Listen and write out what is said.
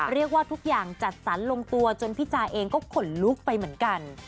ทุกอย่างจัดสรรลงตัวจนพี่จาเองก็ขนลุกไปเหมือนกัน